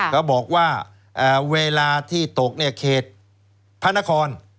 เขาบอกว่าเวลาที่ตกเขตพนคร